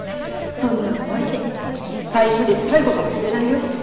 そんなお相手最初で最後かもしれないよ。